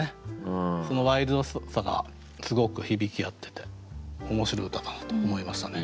そのワイルドさがすごく響き合ってて面白い歌だなと思いましたね。